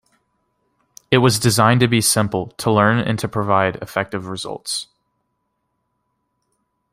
It was designed to be simple to learn and to provide effective results.